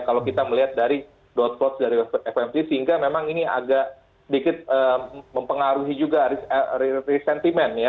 kalau kita melihat dari dot codes dari fnc sehingga memang ini agak sedikit mempengaruhi juga resentment ya